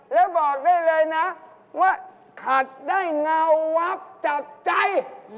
แล้วบอกได้เลยนะว่าขัดได้เงาวับจากใจ